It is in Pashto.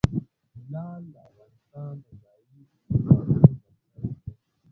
لعل د افغانستان د ځایي اقتصادونو بنسټ دی.